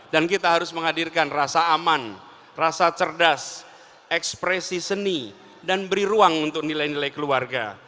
dan kita harus menghadirkan rasa aman rasa cerdas ekspresi seni dan beri ruang untuk nilai nilai keluarga